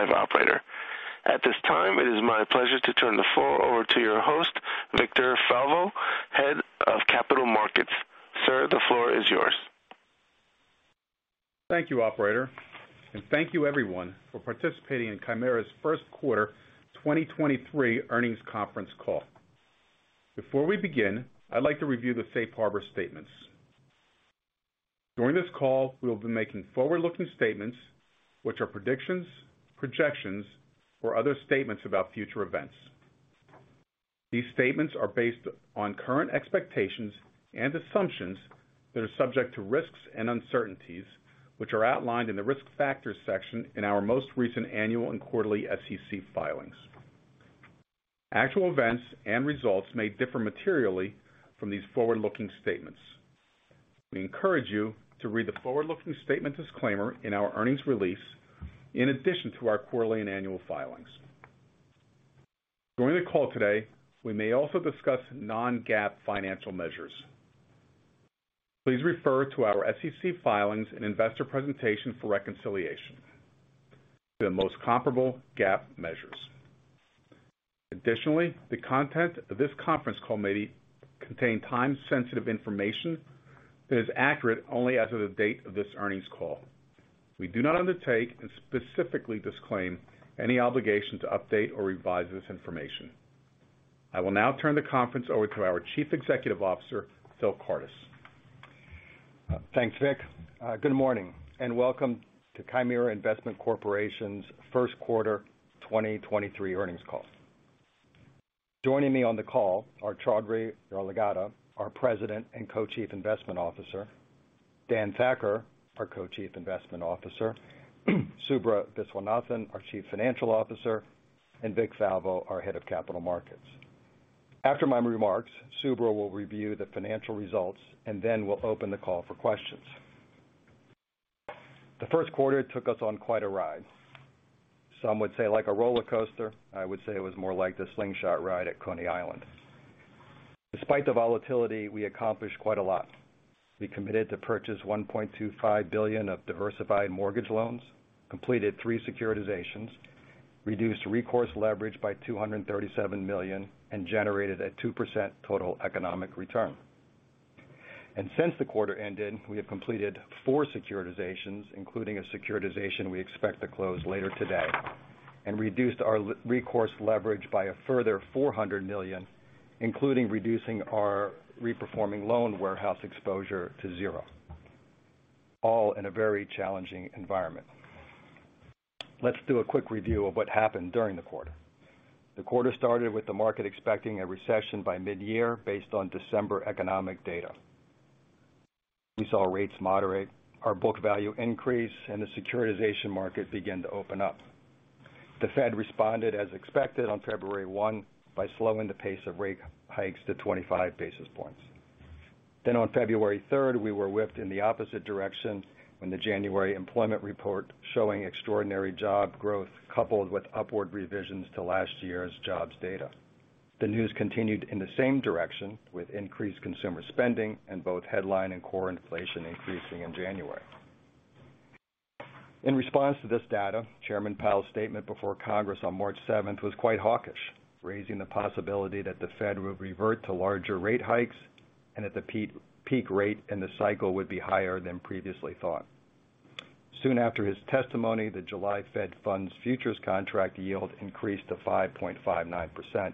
Good day, ladies and gentlemen, and welcome to the Chimera Investment Corporation first quarter 2023 earnings call. All lines have been placed on a listen-only mode. The floor will be open for your questions and comments following the presentation. If you should require assistance throughout the conference, please press star 0 on your telephone keypad to reach a live operator. At this time, it is my pleasure to turn the floor over to your host, Victor Falvo, Head of Capital Markets. Sir, the floor is yours. Thank you, operator. Thank you everyone for participating in Chimera's first quarter 2023 earnings conference call. Before we begin, I'd like to review the safe harbor statements. During this call, we'll be making forward-looking statements, which are predictions, projections, or other statements about future events. These statements are based on current expectations and assumptions that are subject to risks and uncertainties, which are outlined in the Risk Factors section in our most recent annual and quarterly SEC filings. Actual events and results may differ materially from these forward-looking statements. We encourage you to read the forward-looking statement disclaimer in our earnings release in addition to our quarterly and annual filings. During the call today, we may also discuss non-GAAP financial measures. Please refer to our SEC filings and investor presentation for reconciliation to the most comparable GAAP measures. The content of this conference call may contain time-sensitive information that is accurate only as of the date of this earnings call. We do not undertake and specifically disclaim any obligation to update or revise this information. I will now turn the conference over to our Chief Executive Officer, Phil Kardis. Thanks, Vic. Good morning and welcome to Chimera Investment Corporation's first quarter 2023 earnings call. Joining me on the call are Choudhary Yarlagadda, our President and Co-Chief Investment Officer, Dan Thakkar, our Co-Chief Investment Officer, Subra Viswanathan, our Chief Financial Officer, and Vic Falvo, our Head of Capital Markets. After my remarks, Subra will review the financial results, and then we'll open the call for questions. The first quarter took us on quite a ride. Some would say like a roller coaster. I would say it was more like the slingshot ride at Coney Island. Despite the volatility, we accomplished quite a lot. We committed to purchase $1.25 billion of diversified mortgage loans, completed 3 securitizations, reduced recourse leverage by $237 million, and generated a 2% total economic return. Since the quarter ended, we have completed 4 securitizations, including a securitization we expect to close later today, and reduced our recourse leverage by a further $400 million, including reducing our reperforming loan warehouse exposure to 0, all in a very challenging environment. Let's do a quick review of what happened during the quarter. The quarter started with the market expecting a recession by mid-year based on December economic data. We saw rates moderate, our book value increase, and the securitization market begin to open up. The Fed responded as expected on February 1 by slowing the pace of rate hikes to 25 basis points. On February 3rd, we were whipped in the opposite direction when the January employment report showing extraordinary job growth coupled with upward revisions to last year's jobs data. The news continued in the same direction, with increased consumer spending and both headline and core inflation increasing in January. In response to this data, Chairman Powell's statement before Congress on March seventh was quite hawkish, raising the possibility that the Fed would revert to larger rate hikes and that the peak rate in the cycle would be higher than previously thought. Soon after his testimony, the July Fed Funds futures contract yield increased to 5.59%,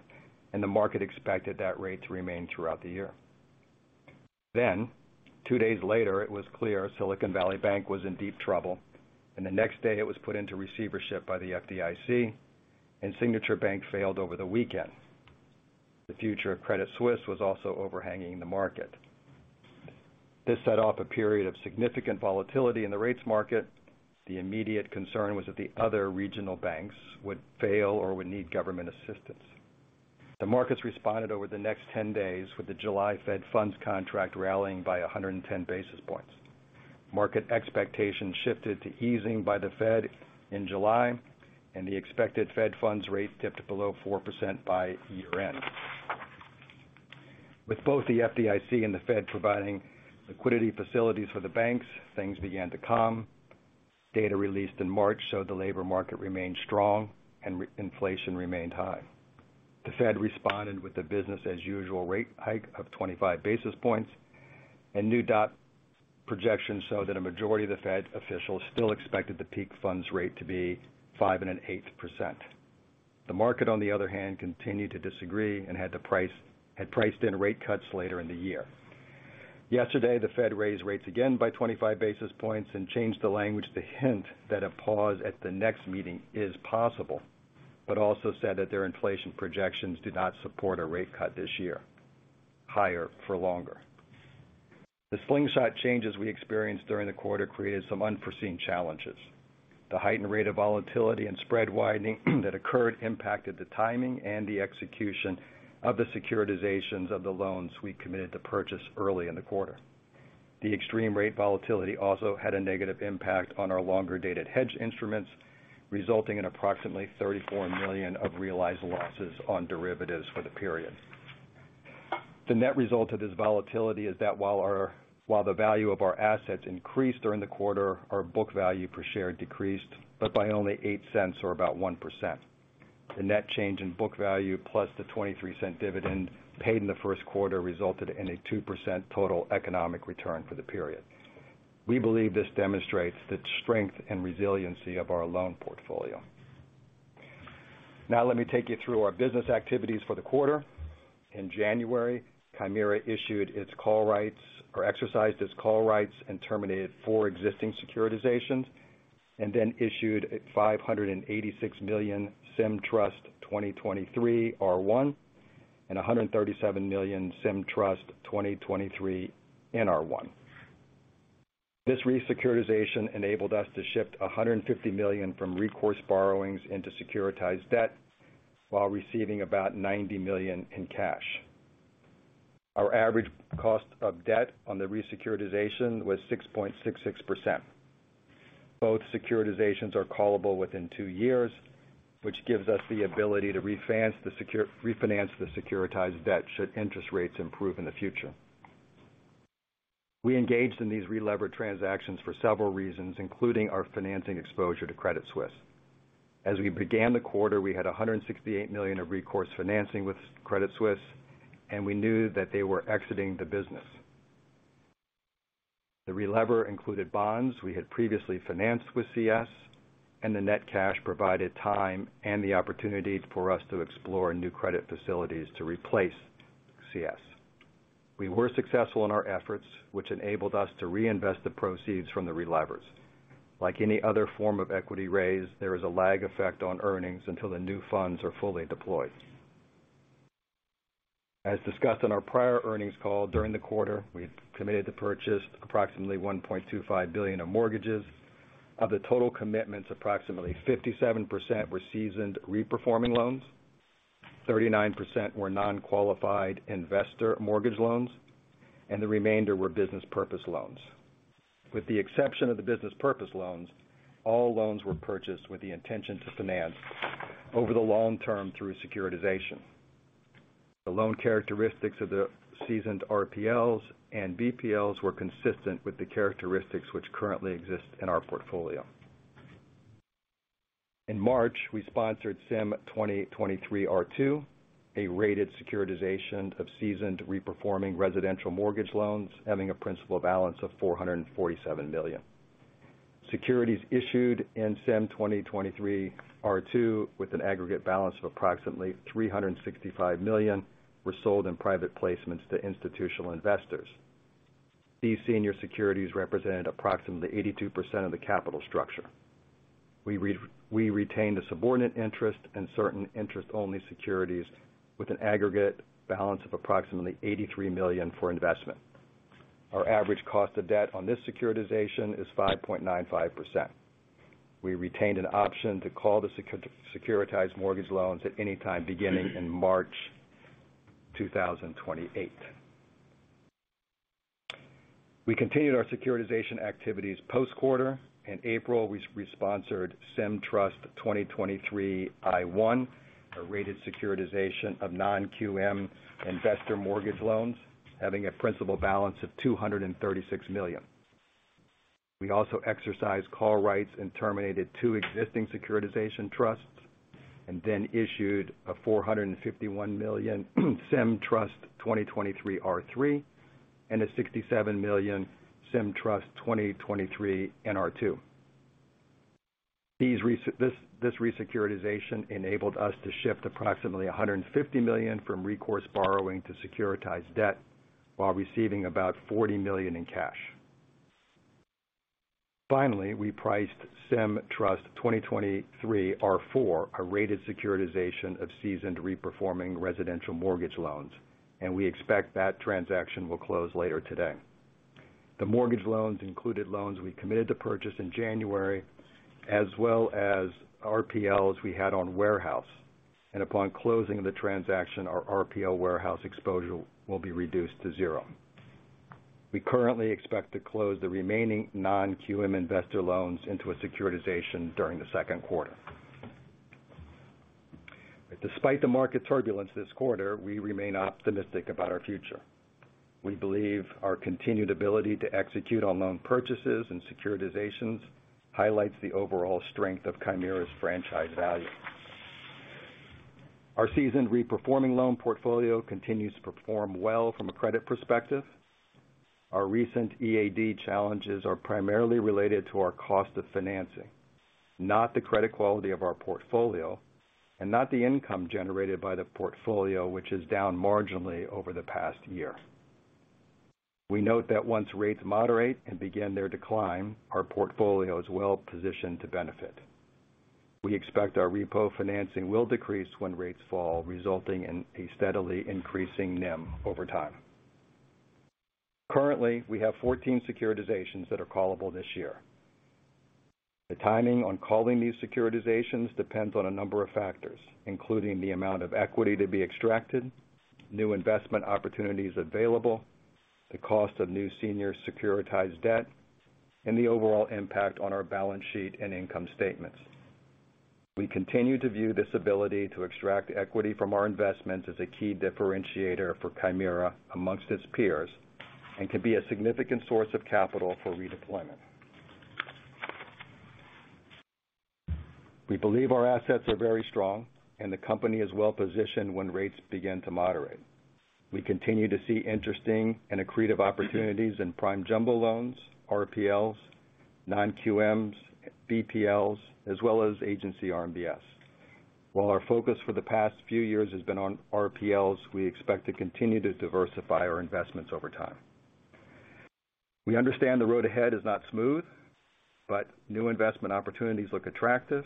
the market expected that rate to remain throughout the year. Two days later, it was clear Silicon Valley Bank was in deep trouble, and the next day it was put into receivership by the FDIC, and Signature Bank failed over the weekend. The future of Credit Suisse was also overhanging the market. This set off a period of significant volatility in the rates market. The immediate concern was that the other regional banks would fail or would need government assistance. The markets responded over the next 10 days with the July Fed Funds contract rallying by 110 basis points. Market expectations shifted to easing by the Fed in July. The expected Fed funds rate dipped below 4% by year-end. With both the FDIC and the Fed providing liquidity facilities for the banks, things began to calm. Data released in March showed the labor market remained strong and inflation remained high. The Fed responded with the business as usual rate hike of 25 basis points. New dot projections show that a majority of the Fed officials still expected the peak funds rate to be 5.125%. The market, on the other hand, continued to disagree and had priced in rate cuts later in the year. Yesterday, the Fed raised rates again by 25 basis points and changed the language to hint that a pause at the next meeting is possible. Also said that their inflation projections do not support a rate cut this year. Higher for longer. The slingshot changes we experienced during the quarter created some unforeseen challenges. The heightened rate of volatility and spread widening that occurred impacted the timing and the execution of the securitizations of the loans we committed to purchase early in the quarter. The extreme rate volatility also had a negative impact on our longer-dated hedge instruments, resulting in approximately $34 million of realized losses on derivatives for the period. The net result of this volatility is that while the value of our assets increased during the quarter, our book value per share decreased, but by only $0.08 or about 1%. The net change in book value plus the $0.23 dividend paid in the first quarter resulted in a 2% total economic return for the period. We believe this demonstrates the strength and resiliency of our loan portfolio. Let me take you through our business activities for the quarter. In January, Chimera issued its call rights or exercised its call rights and terminated four existing securitizations, and then issued $586 million CIM Trust 2023-R1, and $137 million CIM Trust 2023-NR1. This re-securitization enabled us to shift $150 million from recourse borrowings into securitized debt while receiving about $90 million in cash. Our average cost of debt on the re-securitization was 6.66%. Both securitizations are callable within 2 years, which gives us the ability to refinance the securitized debt should interest rates improve in the future. We engaged in these relever transactions for several reasons, including our financing exposure to Credit Suisse. As we began the quarter, we had $168 million of recourse financing with Credit Suisse, we knew that they were exiting the business. The relever included bonds we had previously financed with CS, the net cash provided time and the opportunity for us to explore new credit facilities to replace CS. We were successful in our efforts, which enabled us to reinvest the proceeds from the relevers. Like any other form of equity raise, there is a lag effect on earnings until the new funds are fully deployed. As discussed on our prior earnings call, during the quarter, we committed to purchase approximately $1.25 billion of mortgages. Of the total commitments, approximately 57% were seasoned Re-Performing Loans, 39% were non-qualified investor mortgage loans, and the remainder were Business Purpose Loans. With the exception of the Business Purpose Loans, all loans were purchased with the intention to finance over the long term through securitization. The loan characteristics of the seasoned RPLs and BPLs were consistent with the characteristics which currently exist in our portfolio. In March, we sponsored CIM 2023-R2, a rated securitization of seasoned Re-Performing residential mortgage loans having a principal balance of $447 million. Securities issued in CIM 2023-R2, with an aggregate balance of approximately $365 million, were sold in private placements to institutional investors. These senior securities represented approximately 82% of the capital structure. We retained a subordinate interest in certain interest-only securities with an aggregate balance of approximately $83 million for investment. Our average cost of debt on this securitization is 5.95%. We retained an option to call the securitized mortgage loans at any time beginning in March 2028. We continued our securitization activities post-quarter. In April, we sponsored CIM Trust 2023-I1, a rated securitization of non-QM investor mortgage loans, having a principal balance of $236 million. We also exercised call rights and terminated two existing securitization trusts, then issued a $451 million CIM Trust 2023-R3 and a $67 million CIM Trust 2023-NR2. This re-securitization enabled us to shift approximately $150 million from recourse borrowing to securitized debt while receiving about $40 million in cash. We priced CIM Trust 2023-R4, a rated securitization of seasoned reperforming residential mortgage loans. We expect that transaction will close later today. The mortgage loans included loans we committed to purchase in January, as well as RPLs we had on warehouse. Upon closing of the transaction, our RPL warehouse exposure will be reduced to 0. We currently expect to close the remaining non-QM investor loans into a securitization during the second quarter. Despite the market turbulence this quarter, we remain optimistic about our future. We believe our continued ability to execute on loan purchases and securitizations highlights the overall strength of Chimera's franchise value. Our seasoned reperforming loan portfolio continues to perform well from a credit perspective. Our recent EAD challenges are primarily related to our cost of financing, not the credit quality of our portfolio, and not the income generated by the portfolio, which is down marginally over the past year. We note that once rates moderate and begin their decline, our portfolio is well positioned to benefit. We expect our repo financing will decrease when rates fall, resulting in a steadily increasing NIM over time. Currently, we have 14 securitizations that are callable this year. The timing on calling these securitizations depends on a number of factors, including the amount of equity to be extracted, new investment opportunities available, the cost of new senior securitized debt, and the overall impact on our balance sheet and income statements. We continue to view this ability to extract equity from our investments as a key differentiator for Chimera amongst its peers and can be a significant source of capital for redeployment. We believe our assets are very strong and the company is well-positioned when rates begin to moderate. We continue to see interesting and accretive opportunities in prime jumbo loans, RPLs, non-QMs, BPLs, as well as agency RMBS. While our focus for the past few years has been on RPLs, we expect to continue to diversify our investments over time. We understand the road ahead is not smooth, but new investment opportunities look attractive,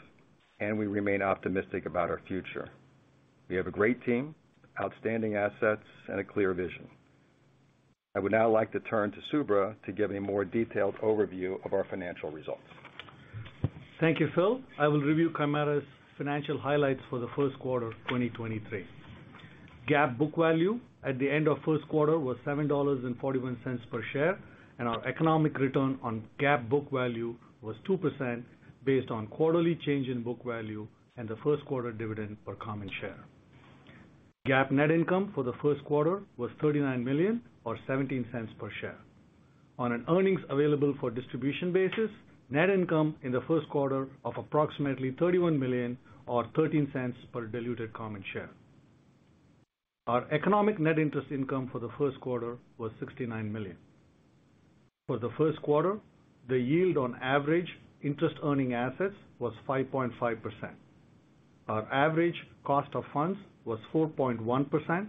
and we remain optimistic about our future. We have a great team, outstanding assets, and a clear vision. I would now like to turn to Subra to give a more detailed overview of our financial results. Thank you, Phil. I will review Chimera's financial highlights for the first quarter of 2023. GAAP book value at the end of first quarter was $7.41 per share, and our economic return on GAAP book value was 2% based on quarterly change in book value and the first quarter dividend per common share. GAAP net income for the first quarter was $39 million or $0.17 per share. On an earnings available for distribution basis, net income in the first quarter of approximately $31 million or $0.13 per diluted common share. Our economic net interest income for the first quarter was $69 million. For the first quarter, the yield on average interest earning assets was 5.5%. Our average cost of funds was 4.1%,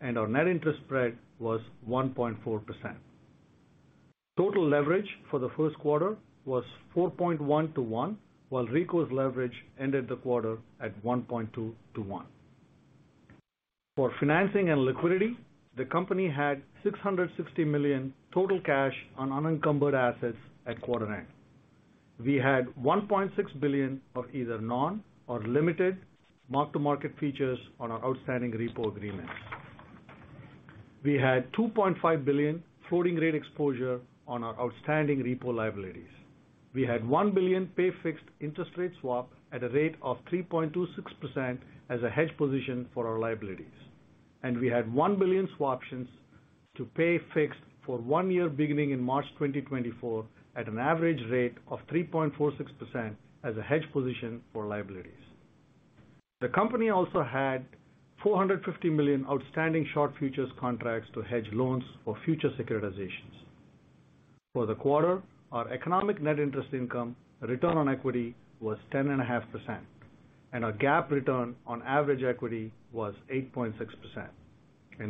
and our net interest spread was 1.4%. Total leverage for the first quarter was 4.1 to 1, while Recourse leverage ended the quarter at 1.2 to 1. For financing and liquidity, the company had $660 million total cash on unencumbered assets at quarter end. We had $1.6 billion of either non or limited mark-to-market features on our outstanding repo agreements. We had $2.5 billion floating rate exposure on our outstanding repo liabilities. We had $1 billion pay fixed interest rate swap at a rate of 3.26% as a hedge position for our liabilities. We had $1 billion swaptions to pay fixed for 1 year beginning in March 2024 at an average rate of 3.46% as a hedge position for liabilities. The company also had $450 million outstanding short futures contracts to hedge loans for future securitizations. For the quarter, our economic net interest income return on equity was 10.5%, and our GAAP return on average equity was 8.6%.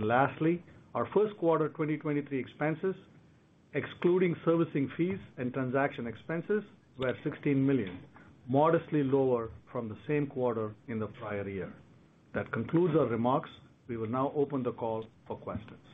Lastly, our first quarter 2023 expenses, excluding servicing fees and transaction expenses, were $16 million, modestly lower from the same quarter in the prior year. That concludes our remarks. We will now open the call for questions.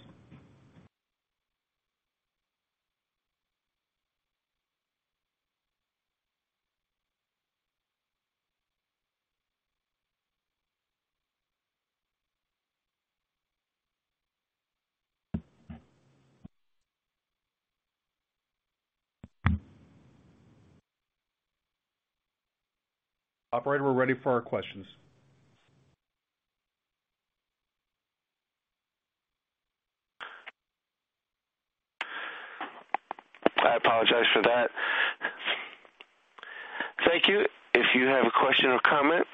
Operator, we're ready for our questions. I apologize for that. Thank you. If you have a question or comment,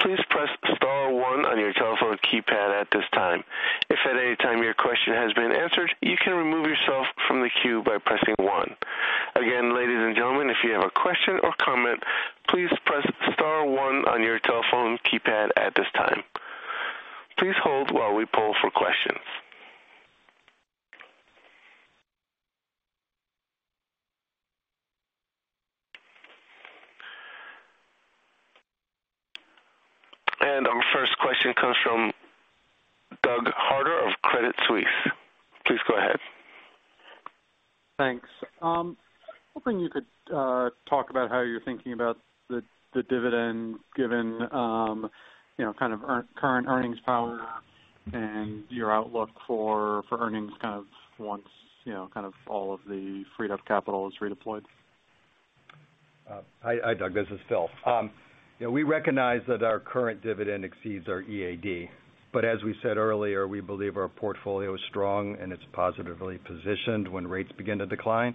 please press star one on your telephone keypad at this time. If at any time your question has been answered, you can remove yourself from the queue by pressing one. Again, ladies and gentlemen, if you have a question or comment, please press star one on your telephone keypad at this time. Please hold while we poll for questions. Our first question comes from Doug Harter of Credit Suisse. Please go ahead. Thanks. Hoping you could talk about how you're thinking about the dividend given, you know, kind of current earnings power and your outlook for earnings kind of once, you know, kind of all of the freed up capital is redeployed? Hi, Doug, this is Phil. Yeah, we recognize that our current dividend exceeds our EAD. As we said earlier, we believe our portfolio is strong and it's positively positioned when rates begin to decline.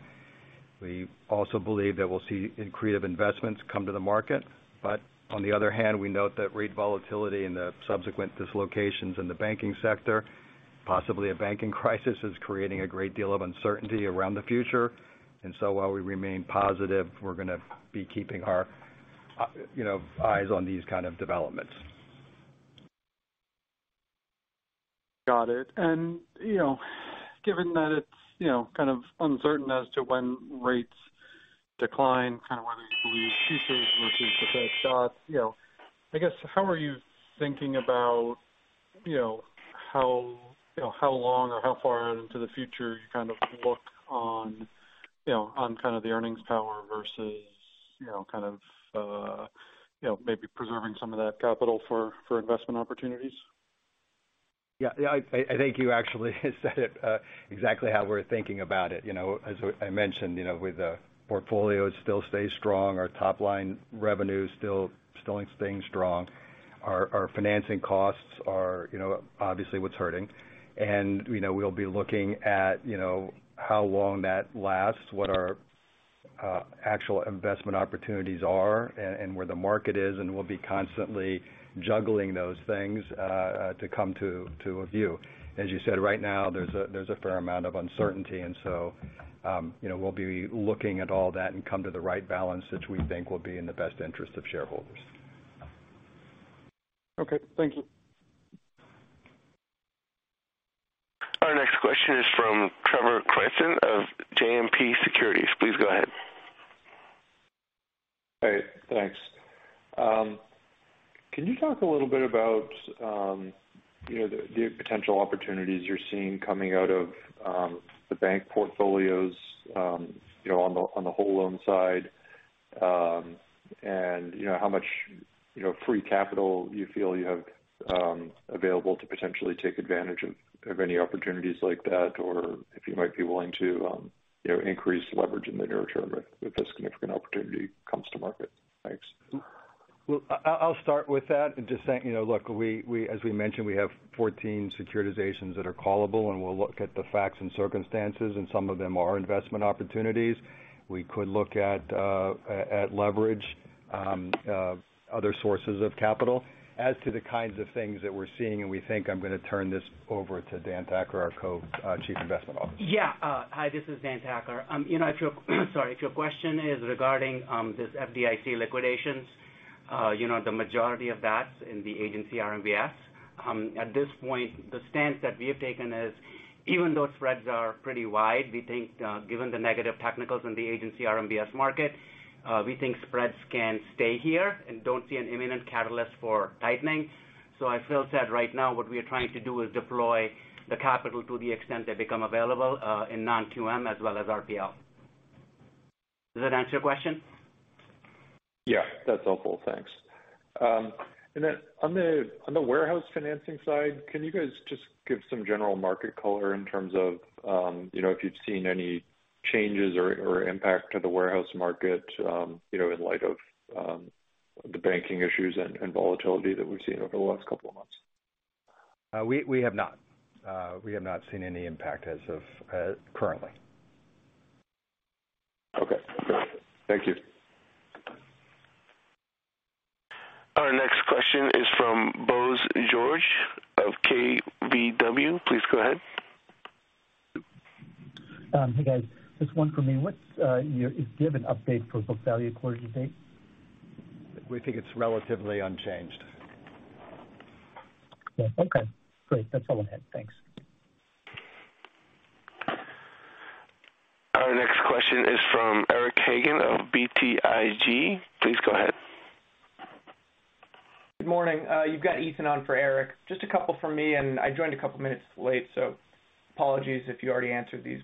We also believe that we'll see accretive investments come to the market. On the other hand, we note that rate volatility and the subsequent dislocations in the banking sector, possibly a banking crisis, is creating a great deal of uncertainty around the future. While we remain positive, we're going to be keeping our, you know, eyes on these kind of developments. Got it. You know, given that it's, you know, kind of uncertain as to when rates decline, kind of whether you believe pieces versus the best shot, you know, I guess how are you thinking about, you know, how, you know, how long or how far into the future you kind of look on, you know, on kind of the earnings power versus, you know, kind of, you know, maybe preserving some of that capital for investment opportunities? Yeah. I think you actually said it exactly how we're thinking about it. You know, as I mentioned, you know, with the portfolio, it still stays strong. Our top line revenue is still staying strong. Our, our financing costs are, you know, obviously what's hurting. We'll be looking at, you know, how long that lasts, what our actual investment opportunities are and where the market is, and we'll be constantly juggling those things to come to a view. As you said, right now there's a, there's a fair amount of uncertainty. We'll be looking at all that and come to the right balance that we think will be in the best interest of shareholders. Okay. Thank you. Our next question is from Trevor Cranston of JMP Securities. Please go ahead. Hey, thanks. Can you talk a little bit about, you know, the potential opportunities you're seeing coming out of the bank portfolios, you know, on the whole loan side, and you know, how much, you know, free capital you feel you have available to potentially take advantage of any opportunities like that, or if you might be willing to, you know, increase leverage in the near term if a significant opportunity comes to market? Thanks. Well, I'll start with that. Just saying, you know, look, as we mentioned, we have 14 securitizations that are callable, and we'll look at the facts and circumstances, and some of them are investment opportunities. We could look at leverage, other sources of capital. As to the kinds of things that we're seeing and we think I'm gonna turn this over to Dan Thakkar, our Co-Chief Investment Officer. Yeah. Hi, this is Dan Thakkar. If your question is regarding this FDIC liquidations, the majority of that's in the agency RMBS. At this point, the stance that we have taken is even though spreads are pretty wide, we think given the negative technicals in the agency RMBS market, we think spreads can stay here and don't see an imminent catalyst for tightening. I feel that right now what we are trying to do is deploy the capital to the extent they become available in non-QM as well as RPL. Does that answer your question? Yeah, that's helpful. Thanks. Then on the warehouse financing side, can you guys just give some general market color in terms of, you know, if you've seen any changes or impact to the warehouse market, you know, in light of the banking issues and volatility that we've seen over the last couple of months? We have not. We have not seen any impact as of currently. Okay. Thank you. Our next question is from Bose George of KBW. Please go ahead. Hey, guys, just one for me. What's do you have an update for book value quarter to date? We think it's relatively unchanged. Yeah. Okay, great. That's all I had. Thanks. Our next question is from Eric Hagen of BTIG. Please go ahead. Good morning. You've got Ethan on for Eric. Just a couple from me. I joined a couple of minutes late, so apologies if you already answered these.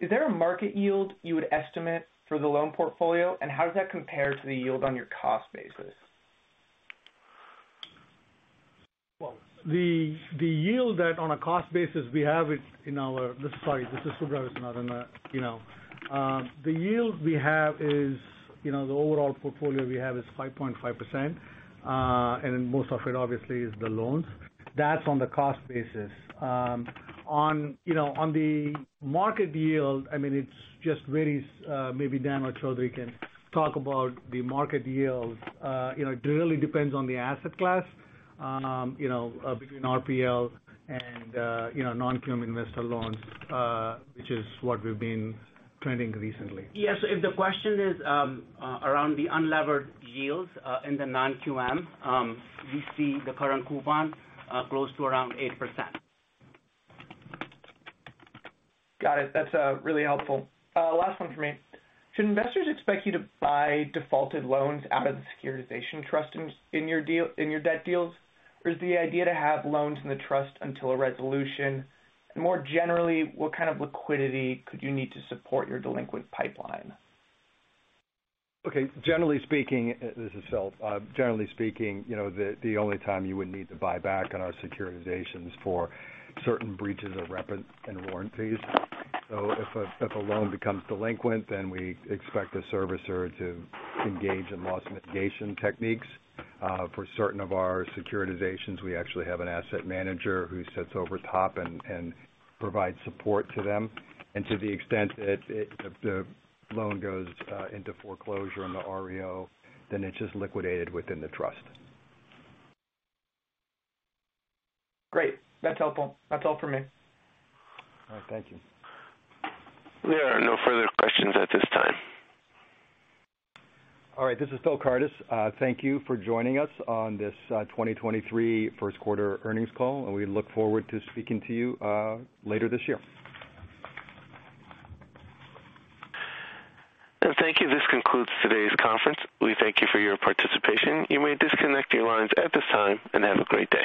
Is there a market yield you would estimate for the loan portfolio? How does that compare to the yield on your cost basis? Well, the yield that on a cost basis, we have it in our... Sorry, this is Subra Viswanathan now, you know. The yield we have is, you know, the overall portfolio we have is 5.5%. Most of it, obviously, is the loans. That's on the cost basis. On, you know, on the market yield, I mean, it's just very, maybe Dan Thakkar or Chaudry can talk about the market yield. You know, it really depends on the asset class, you know, between RPL and, you know, non-QM investor loans, which is what we've been trending recently. Yes. If the question is around the unlevered yields in the non-QM, we see the current coupon close to around 8%. Got it. That's, really helpful. Last one from me. Should investors expect you to buy defaulted loans out of the securitization trust in your debt deals? Or is the idea to have loans in the trust until a resolution? More generally, what kind of liquidity could you need to support your delinquent pipeline? Generally speaking, this is Phil. Generally speaking, you know, the only time you would need to buy back on our securitizations for certain breaches of rep and warranties. If a, if a loan becomes delinquent, then we expect the servicer to engage in loss mitigation techniques. For certain of our securitizations, we actually have an asset manager who sits over top and provides support to them. To the extent that it, the loan goes into foreclosure in the REO, then it's just liquidated within the trust. Great. That's helpful. That's all for me. All right. Thank you. There are no further questions at this time. All right. This is Phil Cartus. Thank you for joining us on this, 2023 first quarter earnings call. We look forward to speaking to you, later this year. Thank you. This concludes today's conference. We thank you for your participation. You may disconnect your lines at this time, and have a great day.